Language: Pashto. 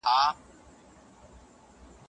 میرویس نیکه د خپلواکۍ لپاره ډېري هڅي وکړي.